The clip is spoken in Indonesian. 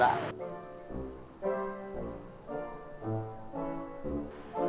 ada adik nabi lah